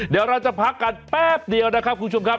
เดี๋ยวเราจะพักกันแป๊บเดียวนะครับคุณผู้ชมครับ